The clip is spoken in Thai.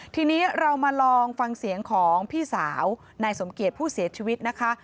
ทีนี้เรามาลองฟังเสียงของพี่สาวนายสมเกียจผู้เสียชีวิตนะคะ